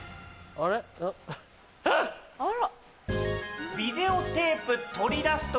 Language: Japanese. あら。